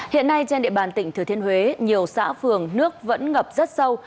hiện nay trên địa bàn tỉnh thừa thiên huế nhiều xã phường nước vẫn ngập rất sâu